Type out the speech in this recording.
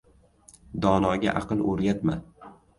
• Donoga aql o‘rgatma.